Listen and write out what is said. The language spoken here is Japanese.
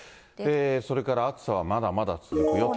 それから暑さはまだまだ続くよと。